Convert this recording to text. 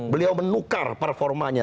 beliau menukar performanya